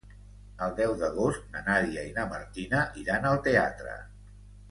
El deu d'agost na Nàdia i na Martina iran al teatre.